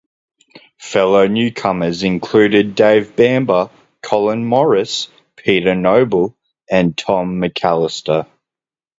Fellow newcomers included Dave Bamber, Colin Morris, Peter Noble and Tom McAlister.